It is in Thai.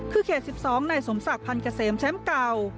คือเขต๑๒ในสมศักดิ์พันธ์เกษมแชมป์เก่า